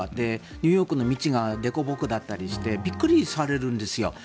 ニューヨークの道がでこぼこだったりしてびっくりされるんですよ。